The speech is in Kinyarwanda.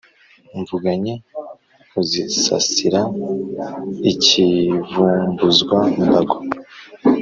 mvuganyi uzisasira i kivumbuzwa-mbago.